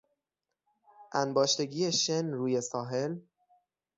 انباشتگی شن روی ساحل